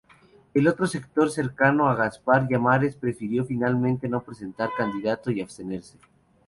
El otro sector cercano a Gaspar Llamazares prefirió finalmente no presentar candidato y abstenerse.